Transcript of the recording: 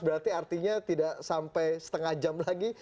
berarti artinya tidak sampai setengah jam lagi